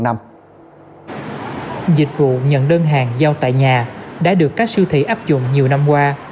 dịch vụ nhận đơn hàng giao tại nhà đã được các siêu thị áp dụng nhiều năm qua